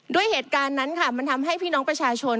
ด้วยเหตุการณ์นั้นค่ะมันทำให้พี่น้องประชาชน